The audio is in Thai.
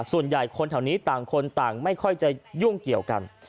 ส่วนใหญ่คนแถวนี้ต่างคนต่างไม่ค่อยจะยุ่งเกี่ยวกัน